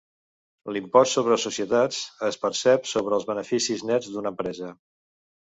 L'impost sobre societats es percep sobre els beneficis nets d'una empresa.